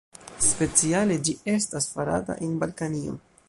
Speciale ĝi estas farata en Balkanio.